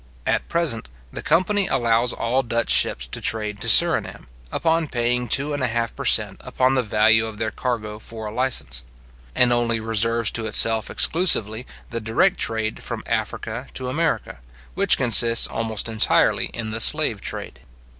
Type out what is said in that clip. At present, the company allows all Dutch ships to trade to Surinam, upon paying two and a half per cent. upon the value of their cargo for a license; and only reserves to itself exclusively, the direct trade from Africa to America, which consists almost entirely in the slave trade.